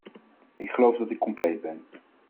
Ik geloof dat ik compleet ben.